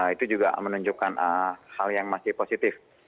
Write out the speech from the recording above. itu juga menunjukkan hal yang masih positif